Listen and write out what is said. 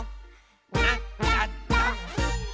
「なっちゃった！」